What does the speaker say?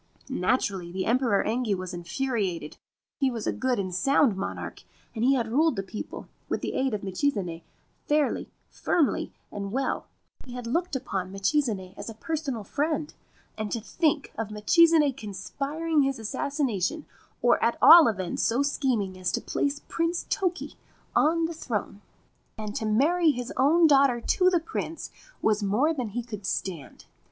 Naturally the Emperor Engi was infuriated. He was a good and sound monarch, and had ruled the people, with the aid of Michizane, fairly, firmly, and well. He had looked upon Michizane as a personal friend ; and to think of Michizane conspiring his assassination, or at all events so scheming as to place Prince Toki on the 66 MATSUO DECLARES THE HEAD TO BE THAT OF KANSHUSAI A Faithful Servant throne, and to marry his own daughter to the Prince, was more than he could stand.